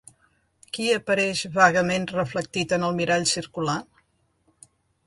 Qui apareix vagament reflectit en el mirall circular?